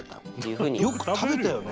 よく食べたよね。